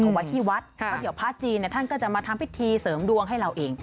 เอาไว้ที่วัดเพราะเดี๋ยวพระจีนท่านก็จะมาทำพิธีเสริมดวงให้เราเอง